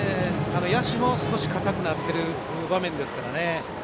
野手も少し硬くなってる場面ですからね。